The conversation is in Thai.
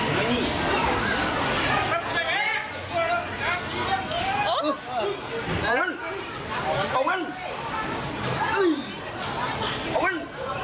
เอามันเอามันเอามัน